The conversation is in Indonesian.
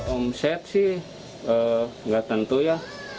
omset sih nggak tentu ya